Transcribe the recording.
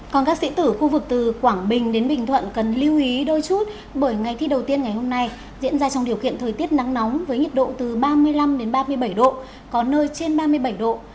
còn các sĩ tử khu vực từ quảng bình đến bình thuận cần lưu ý đôi chút bởi ngày thi đầu tiên ngày hôm nay diễn ra trong điều kiện thời tiết nắng nóng với nhiệt độ từ ba mươi năm đến ba mươi bảy độ có nơi trên ba mươi bảy độ